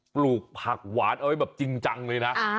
ปลูกผักหวานเอาไว้แบบจริงจังเลยนะ